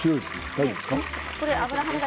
大丈夫ですか。